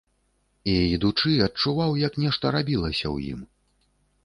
І ідучы адчуваў, як нешта рабілася ў ім.